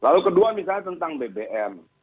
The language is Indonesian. lalu kedua misalnya tentang bbm